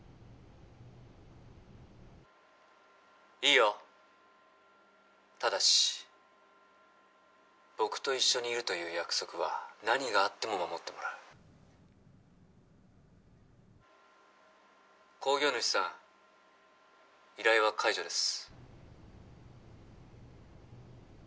いいよただし僕と一緒にいるという約束は何があっても守ってもらう興行主さん依頼は解除です